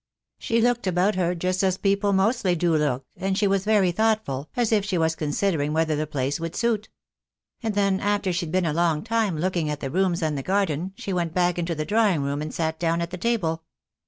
She looked about her just as people mostly do look, and she was very thoughtful, as if she was considering whether the place would suit. And then after she'd been a long time looking at the rooms and the garden, she went back into the drawing room, and sat down at the table.